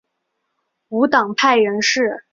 无党派人士。